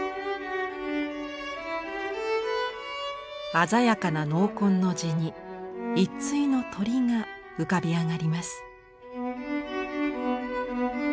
鮮やかな濃紺の地に一対の鳥が浮かび上がります。